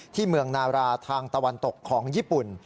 ที่เมืองนาราทางตะวันตกของญี่ปุ่น